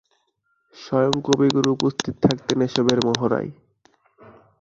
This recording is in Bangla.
স্বয়ং কবিগুরু উপস্থিত থাকতেন এসবের মহড়ায়।